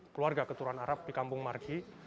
keluarga keturunan arab di kampung margi